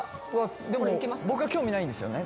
でも僕興味ないんですよね？